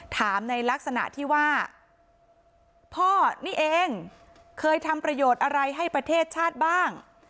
ในลักษณะที่ว่าพ่อนี่เองเคยทำประโยชน์อะไรให้ประเทศชาติบ้าง